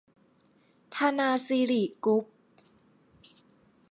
ธนาสิริ กรุ๊ป